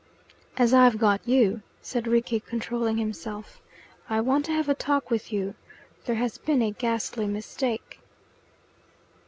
"As I have got you," said Rickie, controlling himself, "I want to have a talk with you. There has been a ghastly mistake."